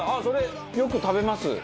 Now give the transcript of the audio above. それ、よく食べます。